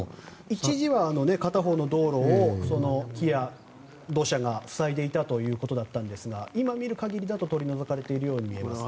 一時は片方の道路を木や土砂が塞いでいたんですが今、見る限りだと取り除かれているように見えますね。